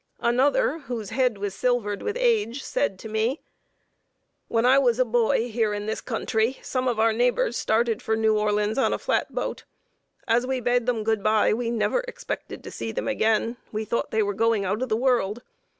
Another, whose head was silvered with age, said to me: "When I was a boy here in this county, some of our neighbors started for New Orleans on a flat boat. As we bade them good by, we never expected to see them again; we thought they were going out of the world.